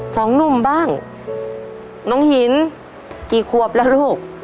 สองหนุ่มบ้างน้องหินกี่ขวบแล้วลูก